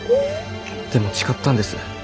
でも誓ったんです。